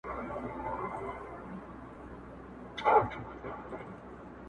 په خوی چنګېز یې په زړه سکندر یې٫